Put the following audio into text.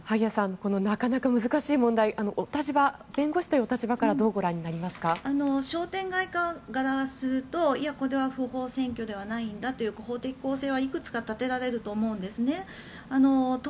このなかなか難しい問題弁護士というお立場から商店街側からするとこれは不法占拠ではないんだという法的構成はいくつか立てられると思うんですね。